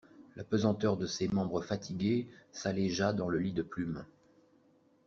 La pesanteur de ses membres fatigués s'allégea dans le lit de plumes.